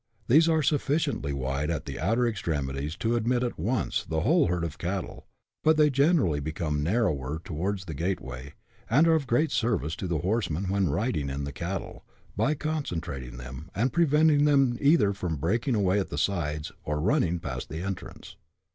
These are sufficiently wide at the outer extremities to admit at once the whole herd of cattle, but they gradually become narrower towards the gateway, and are of great service to the horsemen when riding in the cattle, by concentrating them, and preventing them either from breaking away at the sides, or running past the entrance.